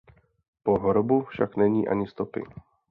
Po hrobu však není ani stopy.